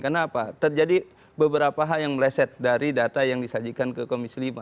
kenapa terjadi beberapa hal yang meleset dari data yang disajikan ke komisi lima